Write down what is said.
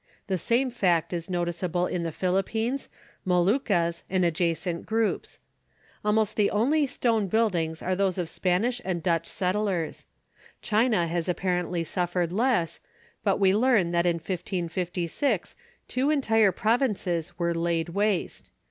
The same fact is noticeable [Illustration: EARTHQUAKE IN CHINA.] in the Philippines, Moluccas, and adjacent groups. Almost the only stone buildings are those of Spanish and Dutch settlers. China has apparently suffered less; but we learn that in 1556 two entire provinces were laid waste.